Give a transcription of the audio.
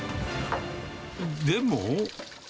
でも。